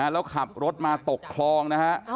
แล้วขับรถมาตกคลองนะฮะ